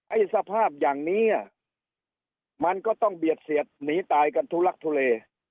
ไอ้สภาพอย่างนี้มันก็ต้องเบียดเสียดหนีตายกันทุลักทุเล